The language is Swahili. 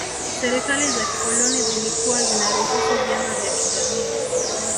Serikali za kikoloni zilikuwa zinaruhusu vyama vya kijamii